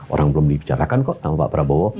orang belum dibicarakan kok sama pak prabowo